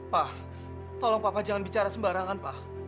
pak tolong papa jangan bicara sembarangan pak